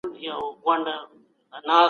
استاد وویل چي هر کار په صبر سره کيږي.